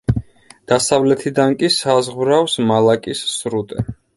დასავლეთიდან კი საზღვრავს მალაკის სრუტე.